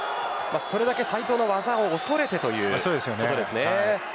それだけ斉藤の技を恐れているということです。